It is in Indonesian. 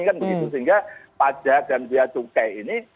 sehingga pajak dan biaya cukai ini